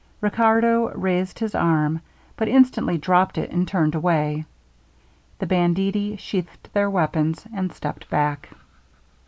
Riccardo raised his arm, but instantly dropped it, and turned away. The banditti sheathed their weapons, and stepped back.